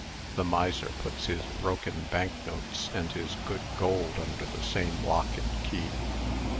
The miser puts his broken bank notes and his good gold under the same lock and key.